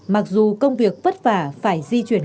mặc dù công việc vất vả phải di chuyển